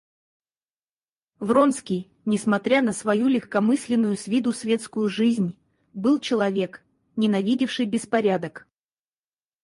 Вронский, несмотря на свою легкомысленную с виду светскую жизнь, был человек, ненавидевший беспорядок.